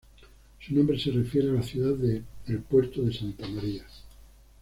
Su nombre se refiere a la ciudad de El Puerto de Santa María.